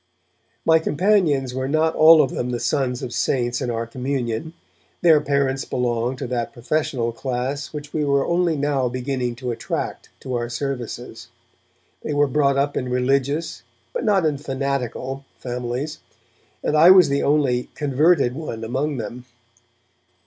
My companions were not all of them the sons of saints in our communion; their parents belonged to that professional class which we were only now beginning to attract to our services. They were brought up in religious, but not in fanatical, families, and I was the only 'converted' one among them.